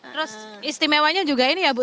terus istimewanya juga ini ya bu